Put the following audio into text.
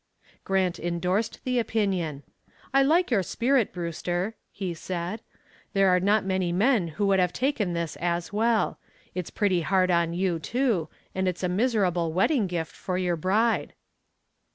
Grant endorsed the opinion. "I like your spirit, Brewster," he said. "There are not many men who would have taken this as well. It's pretty hard on you, too, and it's a miserable wedding gift for your bride."